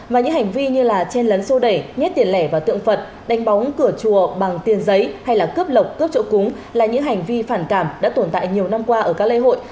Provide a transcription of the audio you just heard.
và những hành vi như là chen lấn sô đẩy nhét tiền lẻ vào tượng phật đánh bóng cửa chùa bằng tiền giấy hay là cướp lộc cướp chỗ cúng là những hành vi phản cảm đã tồn tại nhiều năm qua ở các lễ hội